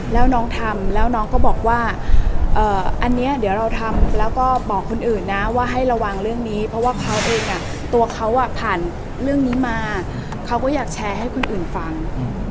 แล้วน้องทำแล้วน้องก็บอกว่าอันนี้เดี๋ยวเราทำแล้วก็บอกคนอื่นนะว่าให้ระวังเรื่องนี้เพราะว่าเขาเองตัวเขาผ่านเรื่องนี้มาเขาก็อยากแชร์ให้คนอื่นฟัง